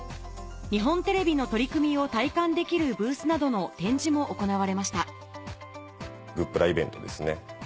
日本テレビの取り組みを体感できるブースなどの展示も行われましたグップライベントですね。